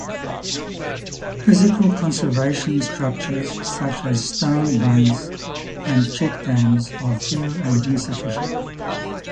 Physical conservation structures such as stone bunds and check dams are few and insufficient.